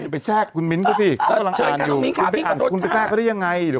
ไปแช่กคุณมิ้นท์ก็สิเขากำลังอ่านอยู่